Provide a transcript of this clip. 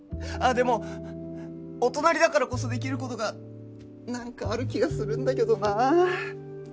あっでもお隣だからこそできる事がなんかある気がするんだけどなあ。